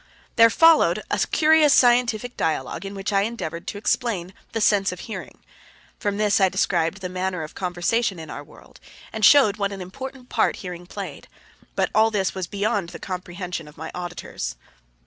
Then followed a curious scientific dialogue in which I endeavored to explain the sense of hearing. From this I described the manner of conversation in our world, and showed what an important part hearing played. But all this was beyond the comprehension of my auditors.